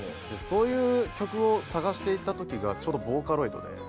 そういう曲を探していたときがちょうどボーカロイドで。